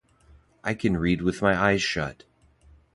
I Can Read with My Eyes Shut!